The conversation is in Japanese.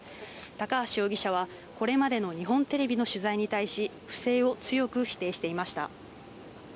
高橋容疑者は、これまでの日本テレビの取材に対し、不正を強く否定していました。